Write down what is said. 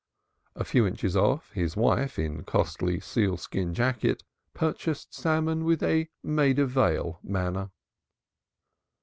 A few inches off, his wife in costly sealskin jacket, purchased salmon with a Maida Vale manner.